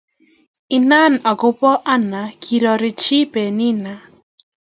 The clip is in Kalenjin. Inan agobo Hannah, kirorechi Penninah